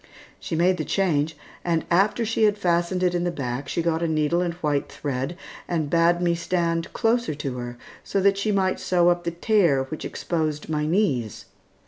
She made the change, and after she had fastened it in the back she got a needle and white thread and bade me stand closer to her so that she might sew up the tear which exposed my knees.